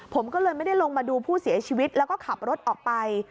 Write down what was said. ผมก็เลยไม่ได้ลงมาดูผู้เสียชีวิตแล้วก็ขับรถออกไป